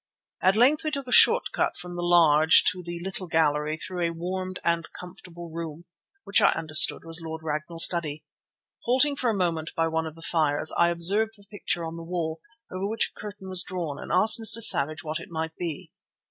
At length we took a short cut from the large to the little gallery through a warmed and comfortable room, which I understood was Lord Ragnall's study. Halting for a moment by one of the fires, I observed a picture on the wall, over which a curtain was drawn, and asked Mr. Savage what it might be.